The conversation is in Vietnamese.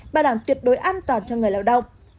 bảo đảm tuyệt đối an toàn cho người lao động